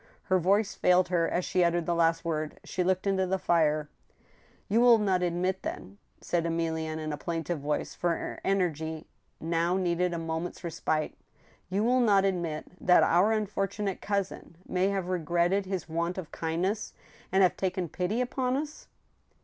Her voice failed her as she uttered the last word. She looked into the fire. " You vwll not admit, then," said Emilienne, in a plaintive voice, for her energy now needed a moment's respite —•* you will not ad mit that our unfortunate cousin may have regretted his want of kind ness, and have taken pity upon us?